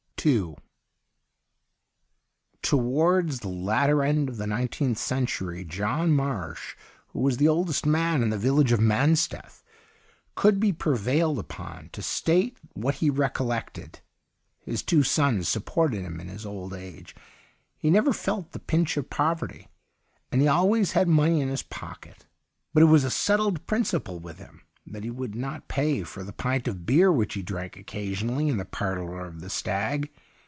II Towards the latter end of the nine teenth century, John Marsh, who was the oldest man in the village of Mansteth, could be prevailed upon to state what he recollected. His two sons supported him in his old age ; he never felt the pinch of 123 g2 THE UNDYING THING poverty, and he always had money in his pocket ; but it was a settled principle with him that he would not pay for the pint of beer which he drank occasionally in the parlour of The Stag.